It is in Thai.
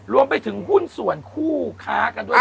รวมไปถึงหุ้นส่วนคู่ค้ากันด้วย